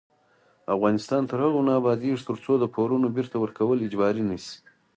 افغانستان تر هغو نه ابادیږي، ترڅو د پورونو بیرته ورکول اجباري نشي.